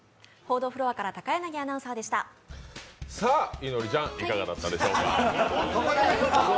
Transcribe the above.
いのりちゃん、いかがだったでしょうか。